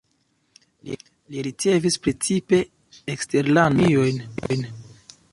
Li ricevis precipe eksterlandajn premiojn.